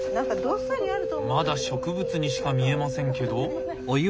まだ植物にしか見えませんけど。